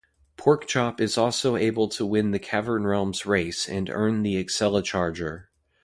Porkchop is also able to win the Cavern Realm's race and earn the Accelecharger.